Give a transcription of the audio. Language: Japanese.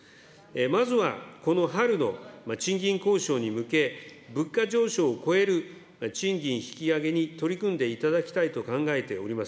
まずはこの春の賃金交渉に向け、物価上昇を超える賃金引き上げに取り組んでいただきたいと考えております。